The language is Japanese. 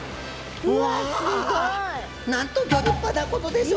わなんとギョ立派なことでしょう。